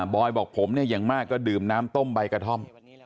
อยบอกผมเนี่ยอย่างมากก็ดื่มน้ำต้มใบกระท่อม